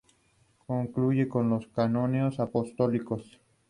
Concluye con los "Cánones apostólicos".